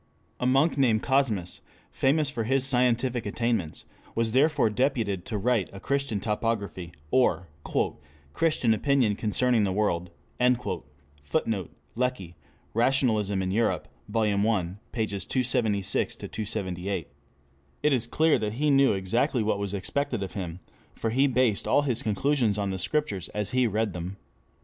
A monk named Cosmas, famous for his scientific attainments, was therefore deputed to write a Christian Topography, or "Christian Opinion concerning the World." [Footnote: Lecky, Rationalism in Europe, Vol. I, pp. 276 8.] It is clear that he knew exactly what was expected of him, for he based all his conclusions on the Scriptures as he read them.